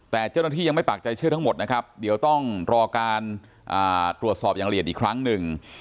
แต่เจ้าหน้าที่ยังไม่ปากใจเชื่อทั้งหมดนะครับเดี๋ยวต้องรอการตรวจสอบอย่างละเอียดอีกครั้งหนึ่ง